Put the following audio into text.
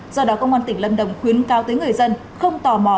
do đó công an tỉnh lâm đồng khuyến cao tới người dân không tò mò